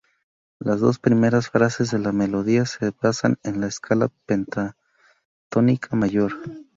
Las dos primeras frases de la melodía se basan en la escala pentatónica mayor.